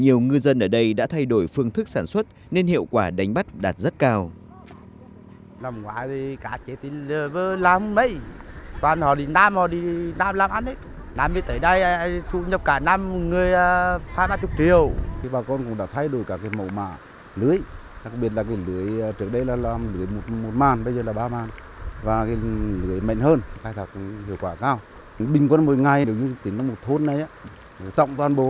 nhiều người dân ở đây đã thay đổi phương thức sản xuất nên hiệu quả đánh bắt đạt rất cao